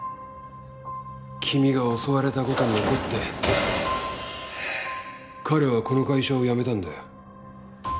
君が襲われた事に怒って彼はこの会社を辞めたんだよ。